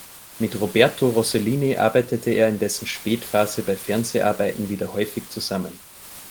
Mit Roberto Rossellini arbeitete er in dessen Spätphase bei Fernseharbeiten wieder häufig zusammen.